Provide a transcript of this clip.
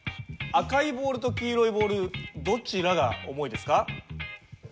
赤いボールと黄色いボールどちらが重いですか？